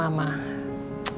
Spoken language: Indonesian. tapi kamu tau kan anak saya bu